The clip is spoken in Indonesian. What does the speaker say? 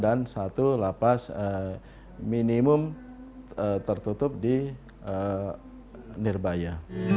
dan satu lapas minimum tertutup di nirbaya